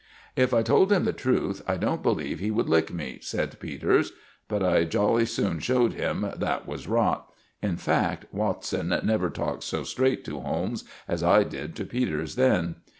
"If I told him the truth, I don't believe he would lick me," said Peters. But I jolly soon showed him that was rot. In fact, Watson never talked so straight to Holmes as I did to Peters then.